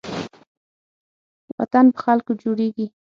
وطن په خلکو جوړېږي